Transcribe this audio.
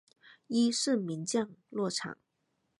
伊是名降落场。